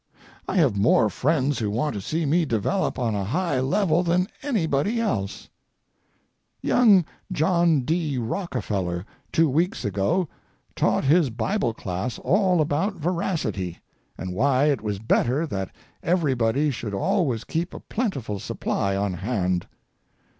I have more friends who want to see me develop on a high level than anybody else. Young John D. Rockefeller, two weeks ago, taught his Bible class all about veracity, and why it was better that everybody should always keep a plentiful supply on hand.